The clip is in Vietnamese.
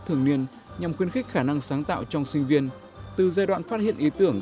thường niên nhằm khuyến khích khả năng sáng tạo trong sinh viên từ giai đoạn phát hiện ý tưởng